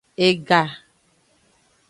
Ega.